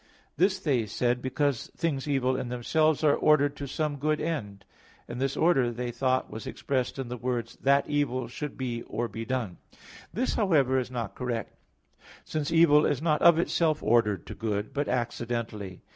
This they said because things evil in themselves are ordered to some good end; and this order they thought was expressed in the words "that evil should be or be done." This, however, is not correct; since evil is not of itself ordered to good, but accidentally.